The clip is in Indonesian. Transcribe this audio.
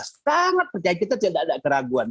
sangat percaya kita tidak ada keraguan